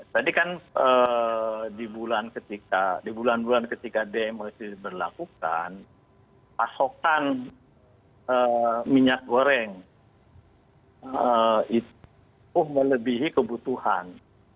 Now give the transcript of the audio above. tadi kan di bulan ketika di bulan bulan ketika dmo itu diberlakukan pasokan minyak goreng itu melebihi kebutuhan